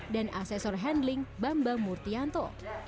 dan asesor handling bamba murtianto